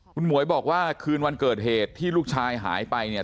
คุณหมวยบอกว่าคืนวันเกิดเหตุที่ลูกชายหายไปเนี่ย